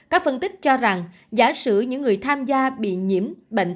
các phân tích cho rằng giả sử những người tham gia bị nhiễm bệnh